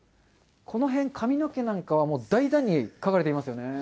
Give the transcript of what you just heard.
この辺、髪の毛なんかは大胆に描かれていますよね。